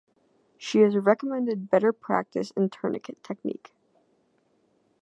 She has recommended better practice in tourniquet technique.